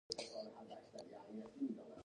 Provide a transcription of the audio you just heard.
غږېږه ستا اروا خپله تر اوسه ده